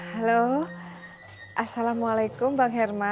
halo assalamualaikum bang herman